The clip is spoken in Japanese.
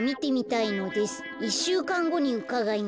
１しゅうかんごにうかがいます。